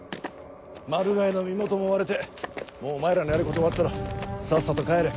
マルガイの身元も割れてもうお前らのやることは終わったろさっさと帰れ。